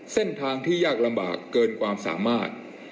เส้นทางที่ยากลำบากเกินความสามารถ